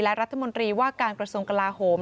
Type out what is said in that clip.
และรัฐมนตรีว่าการกระทรวงกลาโหม